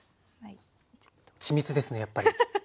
緻密ですねやっぱり。ハハハ。